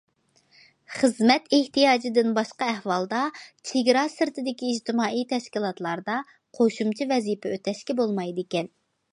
خىزمەت ئېھتىياجىدىن باشقا ئەھۋالدا، چېگرا سىرتىدىكى ئىجتىمائىي تەشكىلاتلاردا قوشۇمچە ۋەزىپە ئۆتەشكە بولمايدىكەن.